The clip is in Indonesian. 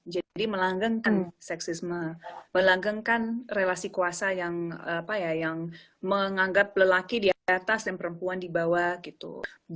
jadi melanggengkan seksisme melanggengkan relasi kuasa yang apa ya yang menganggap lelaki di atas dan perempuan di bawah gitu